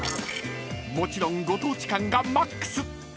［もちろんご当地感がマックス！］